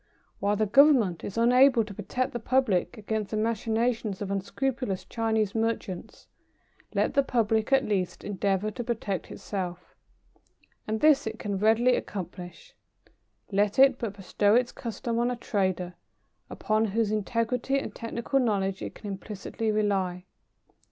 While the Government is unable to protect the public against the machinations of unscrupulous Chinese merchants, let the public at least endeavour to protect itself. And this it can readily accomplish. Let it but bestow its custom on a trader upon whose integrity and technical knowledge it can implicitly rely.